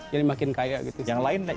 jadi makin kaya gitu sih